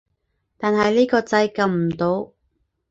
但係呢個掣撳唔到